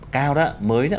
cao đó mới đó